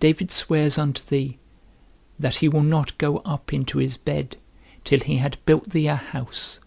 David swears unto thee, that he will not go up into his bed, till he had built thee a house.